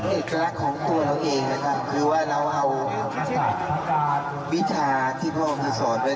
เอกลักษณ์ของตัวเราเองคือว่าเราเอาวิชาที่พ่อพี่สอนด้วย